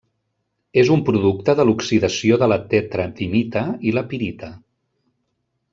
És un producte de l'oxidació de la tetradimita i la pirita.